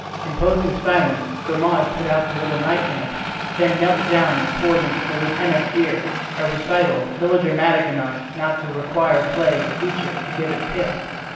Imposing silence, Grimaud put out the little night lamp, then knelt down and poured into the lieutenant's ear a recital melodramatic enough not to require play of feature to give it pith.